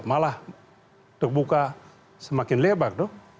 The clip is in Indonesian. malah terbuka semakin lebak